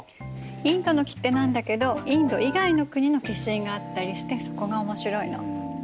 インドの切手なんだけどインド以外の国の消印があったりしてそこが面白いの。